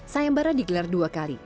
sayembara digelar dua kali